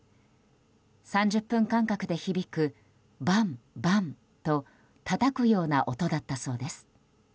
３０分間隔で響く、バンバンとたたくような音だったそうです。